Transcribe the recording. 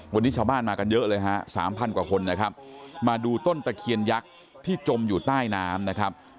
วันนี้ชาวบ้านมากันเยอะเลยฮะสามพันกว่าคนนะครับมาดูต้นตะเคียนยักษ์ที่จมอยู่ใต้น้ำนะครับ